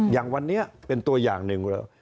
อย่างวันนี้เป็นตัวอย่างหนึ่งเลย